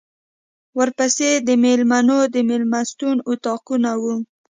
ورپسې د مېلمنو د مېلمستون اطاقونه و.